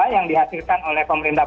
yang dihasilkan oleh pemerintah